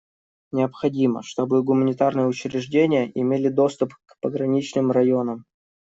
Необходимо, чтобы гуманитарные учреждения имели доступ к пограничным районам.